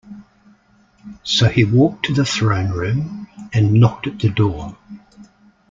So he walked to the Throne Room and knocked at the door.